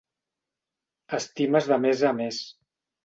Estimes d'a més a més.